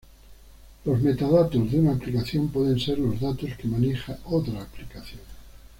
Los metadatos de una aplicación pueden ser los datos que maneja otra aplicación.